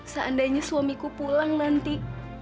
seandainya suamiku pulang nanti